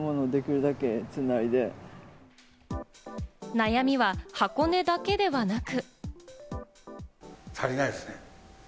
悩みは箱根だけではなく。